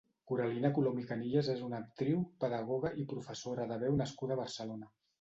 Coralina Colom i Canillas és una actriu, pedagoga i professora de veu nascuda a Barcelona.